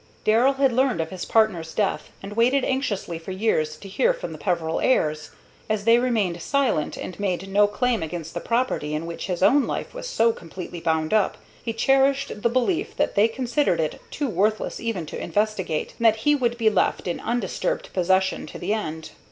Darrell had learned of his partner's death, and waited anxiously for years to hear from the Peveril heirs. As they remained silent, and made no claim against the property in which his own life was so completely bound up, he cherished the belief that they considered it too worthless even to investigate, and that he would be left in undisturbed possession to the end.